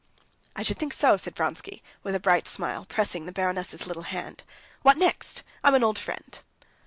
"I should think so," said Vronsky, with a bright smile, pressing the baroness's little hand. "What next! I'm an old friend."